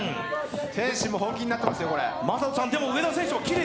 天心も本気になってますよ、これ。